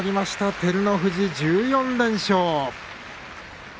照ノ富士、１４連勝です。